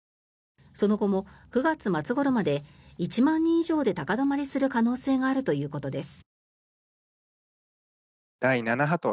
その後も９月末ごろまで１万人以上で高止まりする可能性があるということです。